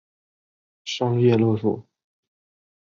商业勒索